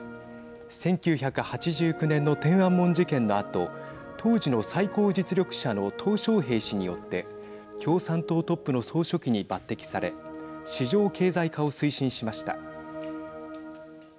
１９８９年の天安門事件のあと当時の最高実力者のとう小平氏によって共産党トップの総書記に抜てきされ市場経済化を推進しました。